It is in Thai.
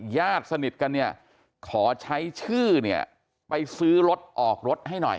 ญาติสนิทกันเนี่ยขอใช้ชื่อเนี่ยไปซื้อรถออกรถให้หน่อย